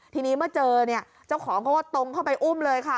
ทีนี้เมื่อเจอเนี่ยเจ้าของเขาก็ตรงเข้าไปอุ้มเลยค่ะ